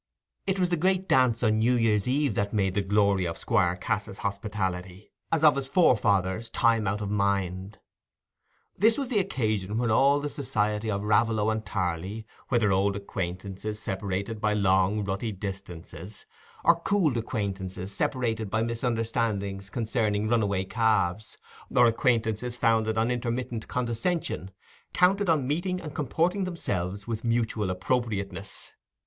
It was the great dance on New Year's Eve that made the glory of Squire Cass's hospitality, as of his forefathers', time out of mind. This was the occasion when all the society of Raveloe and Tarley, whether old acquaintances separated by long rutty distances, or cooled acquaintances separated by misunderstandings concerning runaway calves, or acquaintances founded on intermittent condescension, counted on meeting and on comporting themselves with mutual appropriateness.